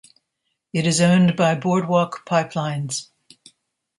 It is owned by Boardwalk Pipelines.